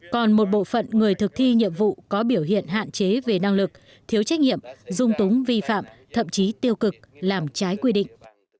còn một bộ phận người thực thi nhiệm vụ có biểu hiện hạn chế về năng lực thiếu trách nhiệm dung túng vi phạm thậm chí tiêu cực làm trái quy định